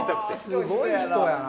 はあすごい人やな。